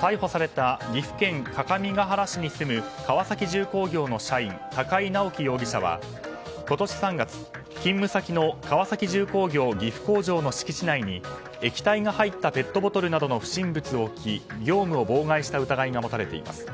逮捕された岐阜県各務原市に住む川崎重工業の社員高井直輝容疑者は今年３月、勤務先の川崎重工業岐阜工場の敷地内に、液体が入ったペットボトルなどの不審物を置き業務を妨害した疑いが持たれています。